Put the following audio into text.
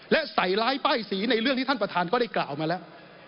และใส่ร้ายป้ายสีในเรื่องที่ท่านประธานก็ได้กล่าวมาแล้ว